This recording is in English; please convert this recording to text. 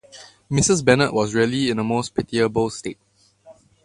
Mrs. Bennet was really in a most pitiable state.